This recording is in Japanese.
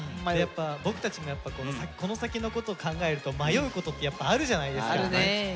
僕たちもやっぱこの先のことを考えると迷うことってやっぱあるじゃないですかきっと。